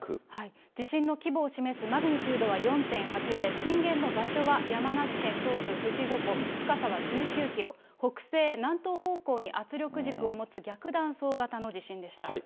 地震の規模を示すマグニチュードは４．８で、震源の場所は山梨県東部、富士五湖で深さは１９キロ、北西・南東方向に圧力軸を持つ逆断層型の地震でした。